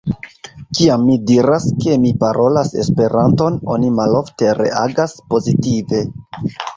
Kiam mi diras, ke mi parolas Esperanton, oni malofte reagas pozitive.